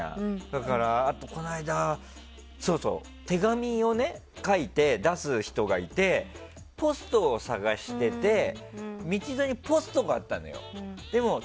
だから、この間手紙を書いて出す人がいてポストを探してて、道沿いにポストがあったのよ。